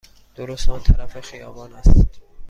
درست آن طرف خیابان است.